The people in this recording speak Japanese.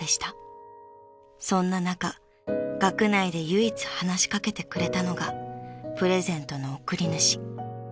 ［そんな中学内で唯一話し掛けてくれたのがプレゼントの贈り主］